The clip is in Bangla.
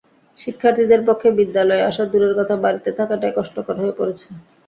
শিক্ষার্থীদের পক্ষে বিদ্যালয়ে আসা দূরের কথা, বাড়িতে থাকাটাই কষ্টকর হয়ে পড়েছে।